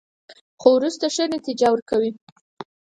خو وروسته ښه نتیجه ورکوي.